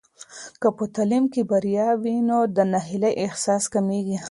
که په تعلیم کې بریا وي، نو د ناهیلۍ احساس کمېږي.